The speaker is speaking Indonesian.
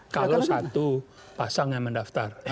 kalau satu pasangan mendaftar